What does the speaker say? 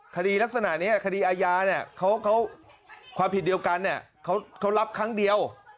คดีลักษณะนี้คดีอาญาเนี่ยเขาความผิดเดียวกันเขารับครั้งเดียว